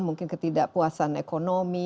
mungkin ketidakpuasan ekonomi